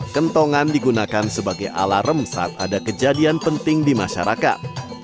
kentongan digunakan sebagai alarm saat ada kejadian penting di masyarakat